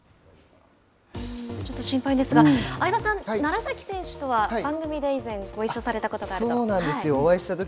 ちょっと心配ですが相葉さんは楢崎選手とは番組で以前ご一緒された事があると。